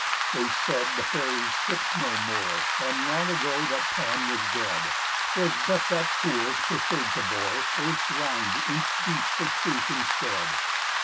They said the fairies tript no more, And long ago that Pan was dead; 'Twas but that fools preferred to bore Earth's rind inch deep for truth instead.